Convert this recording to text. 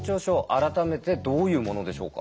改めてどういうものでしょうか？